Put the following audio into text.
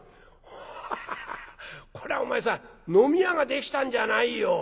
ハハハこりゃお前さん飲み屋ができたんじゃないよ。